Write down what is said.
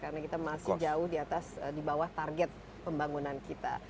karena kita masih jauh di atas di bawah target pembangunan kita